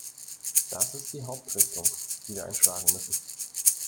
Das ist die Hauptrichtung, die wir einschlagen müssen.